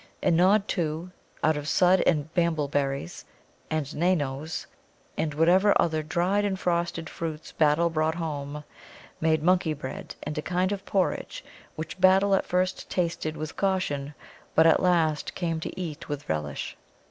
And Nod, too, out of Sudd and Mambel berries and Nanoes and whatever other dried and frosted fruits Battle brought home, made monkey bread and a kind of porridge, which Battle at first tasted with caution, but at last came to eat with relish.